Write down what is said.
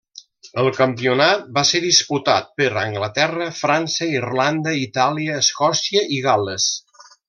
El campionat va ser disputat per Anglaterra, França, Irlanda, Itàlia, Escòcia i Gal·les.